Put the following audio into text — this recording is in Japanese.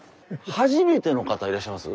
初めての方いらっしゃいます？